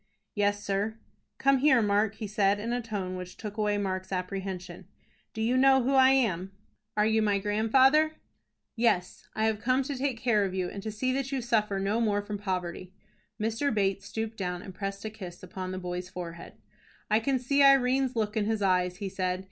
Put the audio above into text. "Yes, sir." "Come here, Mark," he said, in a tone which took away Mark's apprehension. "Do you know who I am?" "Are you my grandfather?" "Yes, I have come to take care of you, and to see that you suffer no more from poverty." Mr. Bates stooped down and pressed a kiss upon the boy's forehead. "I can see Irene's look in his eyes," he said.